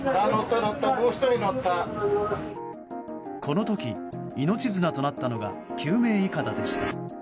この時、命綱となったのが救命いかだでした。